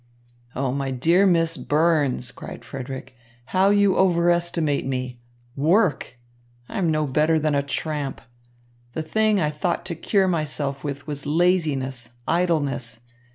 "Oh, my dear Miss Burns," cried Frederick, "how you overestimate me! Work! I am no better than a tramp. The thing I thought to cure myself with was laziness, idleness.